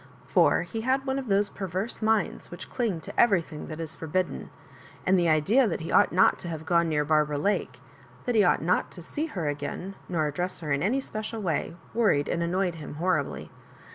For he had one of those perverse minds which cling to everything that is forbid den; and the idea that he ought not to have gone near Barbara Lake, that he ought not to see her again, nor address her in any special way, worried and annoyed him horribly.